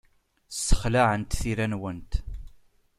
Ssexlaɛent tira-nwent.